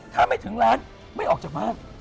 ถ้าไม่ถึงร้านไม่ออกจากบ้าน